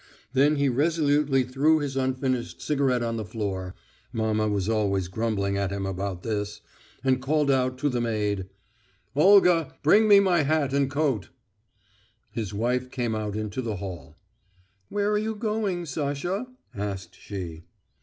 Then he resolutely threw his unfinished cigarette on the floor mamma was always grumbling at him about this and called out to the maid: "Olga! Bring me my hat and coat!" His wife came out into the hall. "Where are you going, Sasha?" asked she.